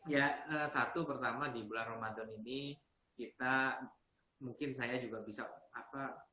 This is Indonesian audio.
ya satu pertama di bulan ramadan ini kita mungkin saya juga bisa apa